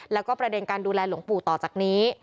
แล้วก็ประเด็นการดูแลหลวงปู่ต่อจากนี้